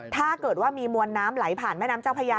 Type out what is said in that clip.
ถ้าเกิดว่ามีมวลน้ำไหลผ่านแม่น้ำเจ้าพญา